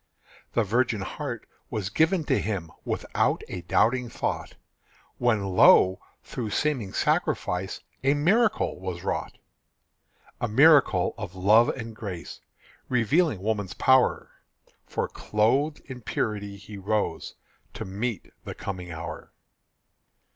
The virgin heart was given to him Without a doubting thought, When, lo! through seeming sacrifice A miracle was wrought; A miracle of love and grace, Revealing woman's power; For, clothed in purity, he rose To meet the coming hour.